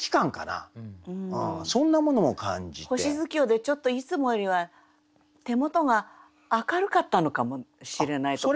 星月夜でちょっといつもよりは手元が明るかったのかもしれないとか。